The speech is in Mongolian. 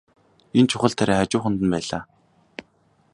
Энэ чухал тариа хажууханд нь байлаа.